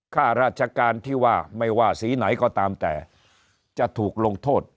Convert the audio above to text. ข้าราชการที่ว่าไม่ว่าสีไหนก็ตามแต่จะถูกลงโทษ